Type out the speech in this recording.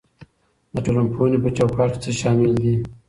د ټولنپوهنې په چوکاټ کې څه شامل دي؟